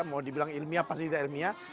mau dibilang ilmiah pasti tidak ilmiah